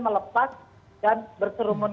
melepas dan berserumun